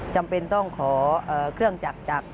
จำเป็นต้องขอเครื่องจักรจาก